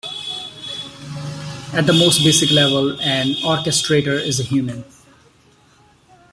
At the most basic level, an orchestrator is a human.